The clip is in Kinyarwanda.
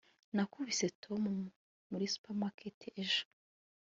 nakubise tom muri supermarket ejo